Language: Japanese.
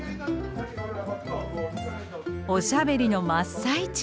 おしゃべりの真っ最中。